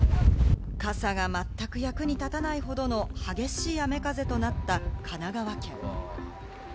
傘がまったく役に立たないほどの激しい雨風となった神奈川県。